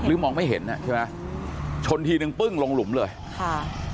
มองไม่เห็นอ่ะใช่ไหมชนทีนึงปึ้งลงหลุมเลยค่ะ